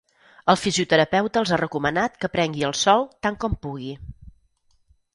El fisioterapeuta els ha recomanat que prengui el sol tant com pugui.